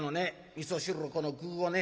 みそ汁をこの具をね